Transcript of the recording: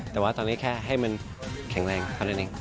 แต่ว่าตอนนี้แค่ให้มันแข็งแรงเท่านั้นเอง